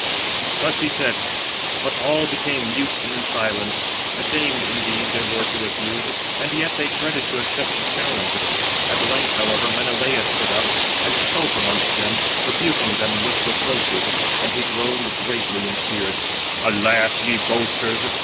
Thus he said, but all became mute in silence. Ashamed indeed they were to refuse, and yet they dreaded to accept [the challenge]. At length, however, Menelaus stood up, and spoke amongst them, rebuking them with reproaches, and he groaned greatly in spirit: "Alas! ye boasters!